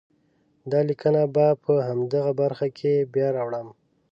دا لیکنه به په همدغه برخه کې بیا راوړم.